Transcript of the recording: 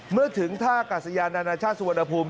เมื่อถึงท่ากาศยานานาชาติสุวรรณภูมิ